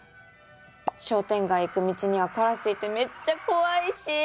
商店街行く道にはカラスいてめっちゃ怖いし。